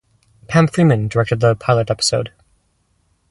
Pam Fryman directed the pilot episode.